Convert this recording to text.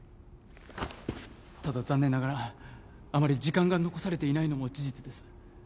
ただ残念ながらあまり時間が残されていないのも事実です